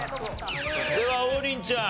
では王林ちゃん。